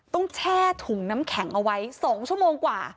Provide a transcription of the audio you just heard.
แช่ถุงน้ำแข็งเอาไว้๒ชั่วโมงกว่า